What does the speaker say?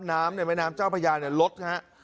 น้ำในมายน้ำเจ้าพญานลดนะครับ